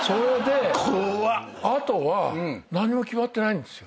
あとは何も決まってないんですよ。